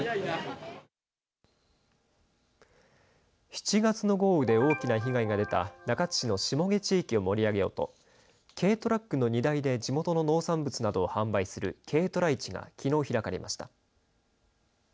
７月の豪雨で大きな被害が出た中津市の下毛地域を盛り上げようと軽トラックの荷台で地元の農産物などを販売する軽トラ市がきのう開かれました。